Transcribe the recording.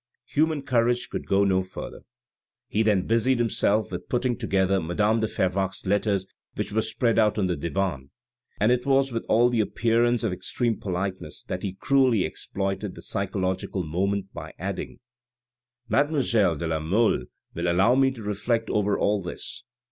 Human courage could not go further. He then busied 28 434 THE RED AND THE BLACK himself with putting together madame de Fervaque's letters which were spread out on the divan, and it was with all the appearance of extreme politeness that he cruelly exploited the psychological moment by adding, " Mademoiselle de la Mole will allow me to reflect over all this."